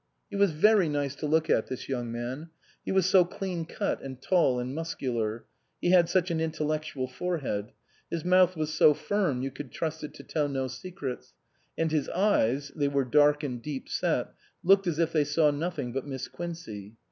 He was very nice to look at, this young man. He was so clean cut and tall and muscular ; he had such an intellectual forehead ; his mouth was so firm, you could trust it to tell no secrets ; and his eyes (they were dark and deep set) looked as if they saw nothing but Miss Quincey.